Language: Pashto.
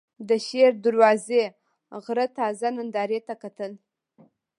د شېر دروازې غره تازه نندارې ته کتل.